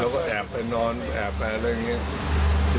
ก็แอบไปนอนแอบไปอะไรอย่างนี้